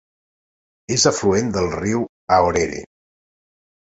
És afluent del riu Aorere.